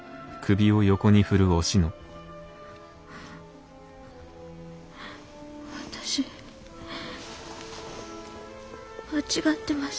私間違ってました。